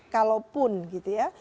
kalaupun gitu ya